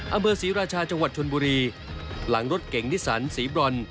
อำเภอศรีราชาจังหวัดชนบุรีหลังรถเก่งนิสันสีบรอน